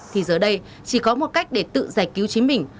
thì giờ đây chỉ có một cách để tự giải cứu chính mình